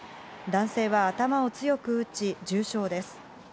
男性は頭を強く打ち重傷です。